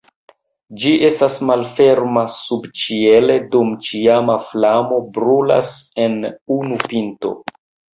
Ĝi estas malferma subĉiele dum ĉiama flamo brulas en unu pinto.